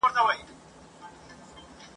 کشکي ستا په خاطر لمر وای راختلی ..